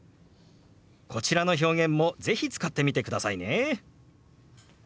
こちらの表現も是非使ってみてくださいね。